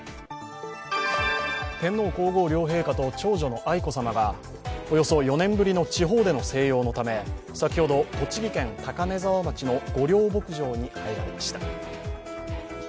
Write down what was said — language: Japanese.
天皇皇后両陛下と長女の愛子さまがおよそ４年ぶりの地方での静養のため、先ほど栃木県高根沢町の御料牧場に入られました。